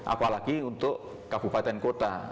apalagi untuk kabupaten kota